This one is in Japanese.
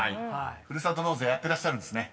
［ふるさと納税やってらっしゃるんですね］